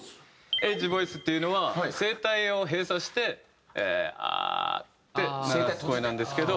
エッジボイスっていうのは声帯を閉鎖して「アー」って鳴らす声なんですけど。